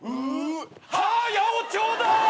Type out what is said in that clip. あ八百長だ！